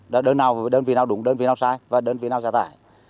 đơn vị nào đúng đơn vị nào sai và đơn vị nào xả thải